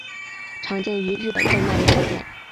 常见于日本动漫业界。